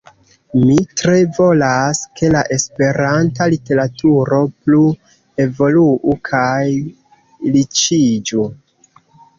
Mi tre volas, ke la Esperanta literaturo plu evoluu kaj riĉiĝu.